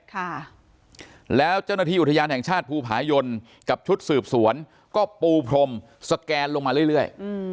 ค่ะแล้วเจ้าหน้าที่อุทยานแห่งชาติภูผายนกับชุดสืบสวนก็ปูพรมสแกนลงมาเรื่อยเรื่อยอืม